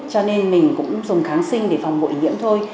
cho nên mình cũng dùng kháng sinh để phòng bội nhiễm thôi